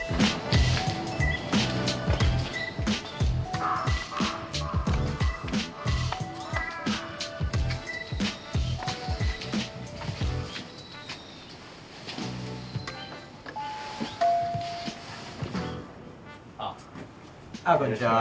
ああこんにちは。